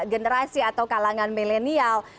generasi atau kalangan milenial